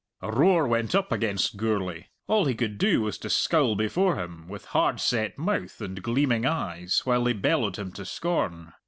A roar went up against Gourlay. All he could do was to scowl before him, with hard set mouth and gleaming eyes, while they bellowed him to scorn.